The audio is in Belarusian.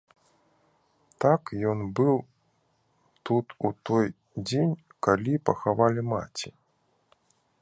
Так ён быў тут у той дзень, калі пахавалі маці.